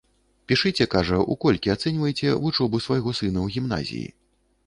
Пішыце, кажа, у колькі ацэньвайце вучобу свайго сына ў гімназіі.